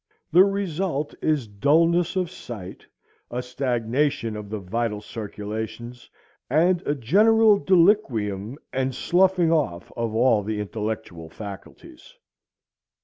The result is dulness of sight, a stagnation of the vital circulations, and a general deliquium and sloughing off of all the intellectual faculties.